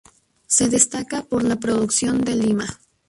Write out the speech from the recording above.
Se destaca por la producción de Lima